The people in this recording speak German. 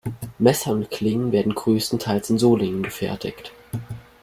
Messer und Klingen werden größtenteils in Solingen gefertigt.